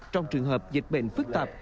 trong trường hợp dịch bệnh phức tạp